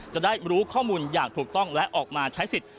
จะได้รู้ข้อมูลอย่างถูกต้องและออกมาใช้สิทธิ์